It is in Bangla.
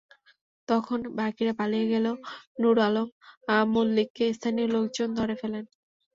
তখন বাকিরা পালিয়ে গেলেও নূর আলম মল্লিককে স্থানীয় লোকজন ধরে ফেলেন।